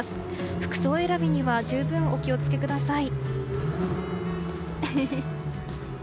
服装選びには十分お気を付けください。